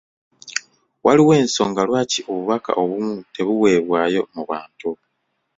Waliwo ensonga lwaki obubaka obumu tebuweebwayo mu bantu.